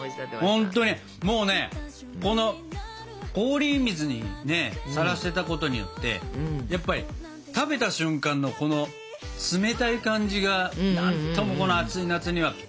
ほんとにもうねこの氷水にさらしてたことによってやっぱり食べた瞬間のこの冷たい感じが何ともこの暑い夏にはぴったりですね。